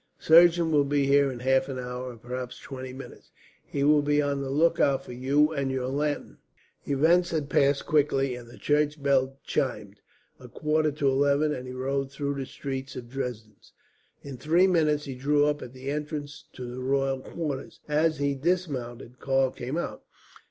A surgeon will be here in half an hour, or perhaps in twenty minutes. He will be on the lookout for you and your lantern." Events had passed quickly, and the church bell chimed a quarter to eleven as he rode through the streets of Dresden. In three minutes he drew up at the entrance to the royal quarters. As he dismounted, Karl came out.